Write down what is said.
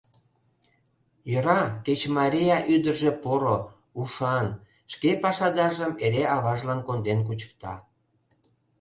Йӧра кеч Мария ӱдыржӧ поро, ушан, шке пашадаржым эре аважлан конден кучыкта.